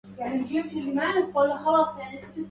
أراقبه وهو الرقيب بخاطري